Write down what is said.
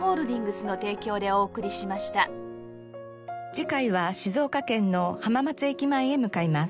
次回は静岡県の浜松駅前へ向かいます。